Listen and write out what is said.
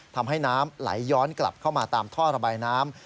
ทำให้น้ำไหลย้อนกลับเข้ามาตามท่อระบายน้ำ